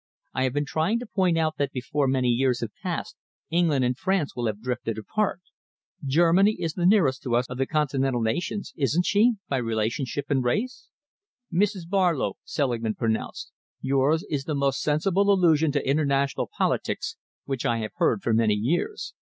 I have been trying to point out that before many years have passed England and France will have drifted apart. Germany is the nearest to us of the continental nations, isn't she, by relationship and race?" "Mrs. Barlow," Selingman pronounced, "yours is the most sensible allusion to international politics which I have heard for many years.